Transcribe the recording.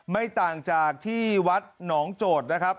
ไม่ต่างจากที่วัดหนองโจทย์นะครับ